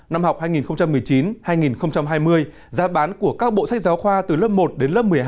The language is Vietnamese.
năm học hai nghìn một mươi chín hai nghìn hai mươi giá bán của các bộ sách giáo khoa từ lớp một đến lớp một mươi hai